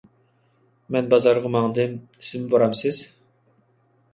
مەن بازارغا ماڭدىم، سىزمۇ بارمسىز؟